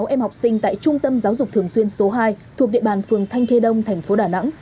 sáu em học sinh tại trung tâm giáo dục thường xuyên số hai thuộc địa bàn phường thanh khê đông thành phố đà nẵng